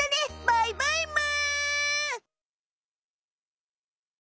バイバイむ！